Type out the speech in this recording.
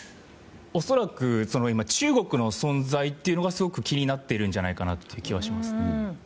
恐らく中国の存在というのがすごく気になっているんじゃないかという気はします。